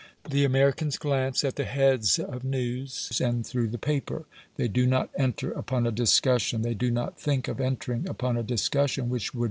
The Americans glance at the heads of news, and through the paper. They do not enter upon a discussion. They do not think of entering upon a discussion which would be useless.